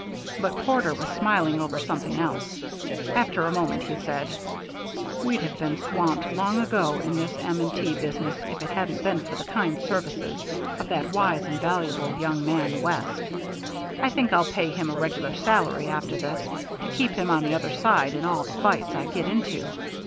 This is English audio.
But Porter was smiling over something else. After a moment he said: "We'd have been swamped long ago in this M. & T. business if it hadn't been for the kind services of that wise and valuable young man, West. I think I'll pay him a regular salary after this to keep him on the other side in all the fights I get into.